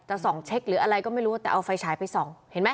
ส่องเช็คหรืออะไรก็ไม่รู้แต่เอาไฟฉายไปส่องเห็นไหม